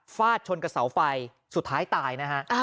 ชนกับเสาไฟสุดท้ายตายนะฮะ